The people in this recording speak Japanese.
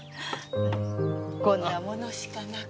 こんなものしかなくて。